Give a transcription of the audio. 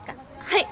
はい。